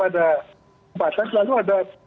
ada tempatan selalu ada